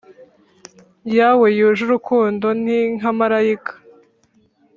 yawe yuje urukundo ninkmarayika